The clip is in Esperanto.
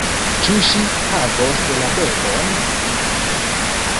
Ĉu ŝi havos la bebon?